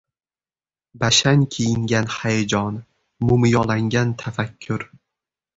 Bashang kiyingan hayajon, mo‘miyolangan tafakkur…